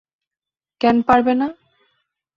কেন পারবে না!